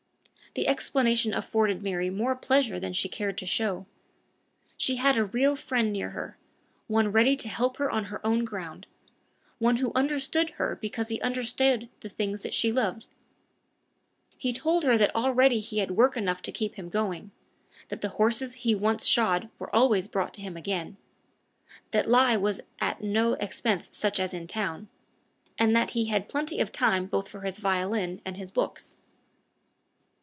The explanation afforded Mary more pleasure than she cared to show. She had a real friend near her one ready to help her on her own ground one who understood her because he understood the things she loved! He told her that already he had work enough to keep him going; that the horses he once shod were always brought to him again; that he was at no expense such as in a town; and that he had plenty of time both for his violin and his books.